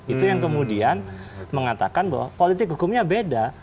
itu yang kemudian mengatakan bahwa politik hukumnya beda